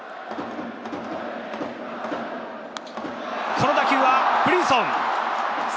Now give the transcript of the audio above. この打球はブリンソン。